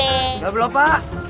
udah belum pak